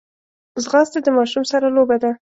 ځغاسته د ماشوم سره لوبه ده